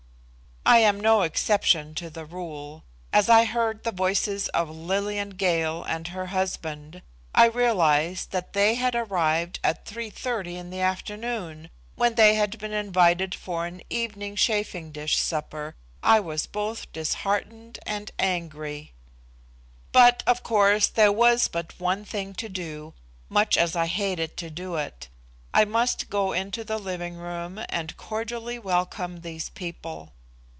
I am no exception to the rule. As I heard the voices of Lillian Gale and her husband and I realized that they had arrived at 3:30 in the afternoon, when they had been invited for an evening chafing dish supper, I was both disheartened and angry. But, of course, there was but one thing to do, much as I hated to do it. I must go into the living room and cordially welcome these people.